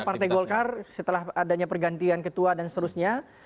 partai golkar setelah adanya pergantian ketua dan seterusnya